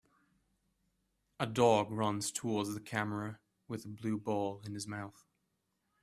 A dog runs towards the camera with a blue ball in his mouth.